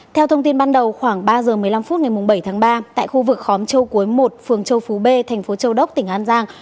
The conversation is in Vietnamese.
theo thông tin ban đầu khoảng ba giờ một mươi năm phút ngày bảy tháng ba tại khu vực khóm châu cuối một phường châu phú b thành phố châu đốc tỉnh an giang